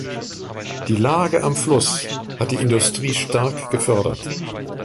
Die Lage am Fluss hat die Industrie stark gefördert.